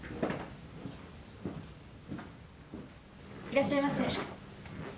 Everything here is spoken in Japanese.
いらっしゃいませ。